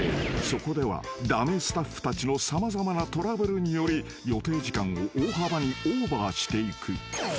［そこでは駄目スタッフたちの様々なトラブルにより予定時間を大幅にオーバーしていく］